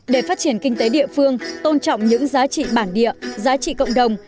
để phát triển kinh tế địa phương tôn trọng những giá trị bản địa giá trị cộng đồng